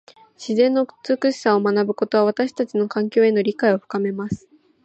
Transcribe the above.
自然の美しさを学ぶことは、私たちの環境への理解を深めます。